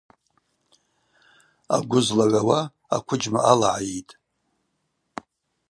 Агвы злагӏвауа аквыджьма алагӏайитӏ.